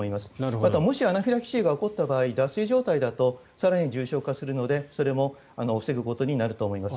あと、もしアナフィラキシーが起こった場合脱水状態だと更に重症化するのでそれも防ぐことになると思います。